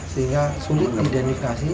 sehingga sulit diidentifikasi